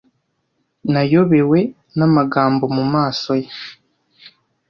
Nayobewe namagambo mumaso ye.